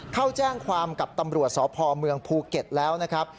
เข้าแจ้งความกับตำรวจสพเมืองภูเก็ตแล้วนะครับ